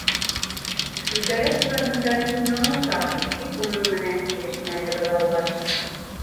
—Шөкәрә тураһында һин яңылышаһың, —тип уның менән килешмәне Быҙаубаш.